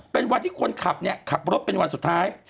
เป็นวันที่คนขับเนี่ยขับรถเป็นวันสุดท้าย